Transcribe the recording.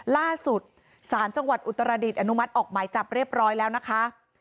ล่าสุดศาลจังหวัดอุตรดิษฐอนุมัติออกหมายจับเรียบร้อยแล้วนะคะ